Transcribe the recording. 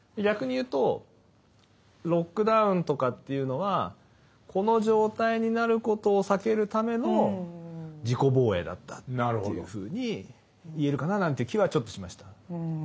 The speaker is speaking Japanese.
逆に言うとロックダウンとかというのはこの状態になることを避けるための自己防衛だったというふうに言えるかななんていう気はちょっとしました。